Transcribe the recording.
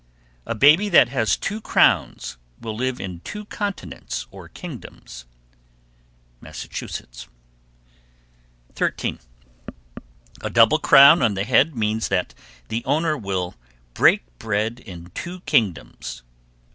A baby that has two crowns will live in two continents or kingdoms. Massachusetts. 13. A double crown on the head means that the owner will "break bread in two kingdoms."